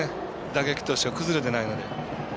打撃としては崩れてないので。